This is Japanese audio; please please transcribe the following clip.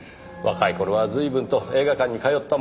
若い頃は随分と映画館に通ったものです。